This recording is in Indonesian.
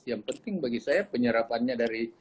yang penting bagi saya penyerapannya dari